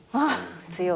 強い。